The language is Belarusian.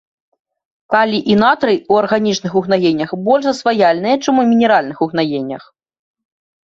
Калій і натрый у арганічных угнаеннях больш засваяльныя, чым у мінеральных угнаеннях.